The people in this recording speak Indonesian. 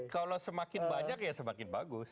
kalau semakin banyak ya semakin bagus